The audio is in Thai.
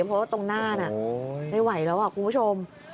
เพราะว่าตรงหน้าน่ะไม่ไหวแล้วคุณผู้ชม